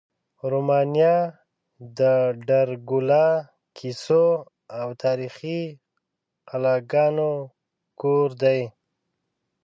رومانیا د ډرکولا کیسو او تاریخي قلاګانو کور دی.